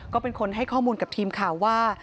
ก็เป็นคนให้ข้อมูลกับทีมข่าวว่า